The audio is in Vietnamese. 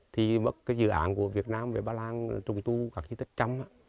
thì bắt cái dự án của việt nam về ba lan trùng tu các chi tích trăm